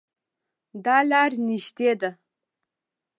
دا لار نږدې ده